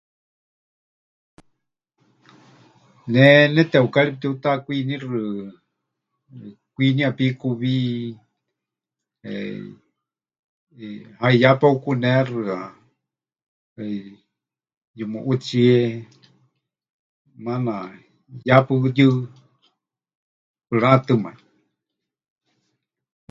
Ne neteukari pɨtiutakwiinixɨ, kwiiniya pikuwi, eh, eh, haiyá peukunexɨa, eh, yumuʼutsíe, maana ya puyɨ, pɨratɨmai.